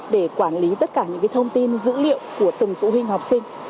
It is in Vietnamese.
để quản lý tất cả những thông tin dữ liệu của từng phụ huynh học sinh